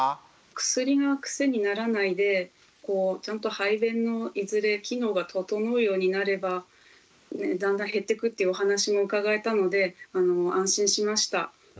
薬が癖にならないでちゃんと排便のいずれ機能が整うようになればだんだん減ってくっていうお話も伺えたので安心しました。